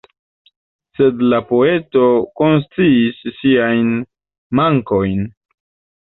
Sed la poeto konsciis siajn mankojn.